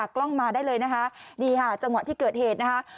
กล้องมาได้เลยนะคะนี่ค่ะจังหวะที่เกิดเหตุนะคะ